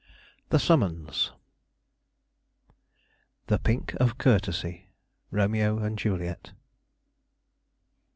THE SUMMONS "The pink of courtesy." Romeo and Juliet.